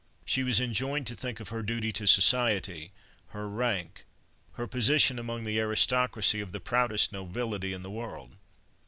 She was enjoined to think of her duty to society, her rank, her position among the aristocracy of the proudest nobility in the world.